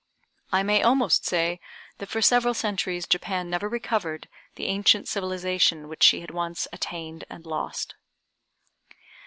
I may almost say that for several centuries Japan never recovered the ancient civilization which she had once attained and lost.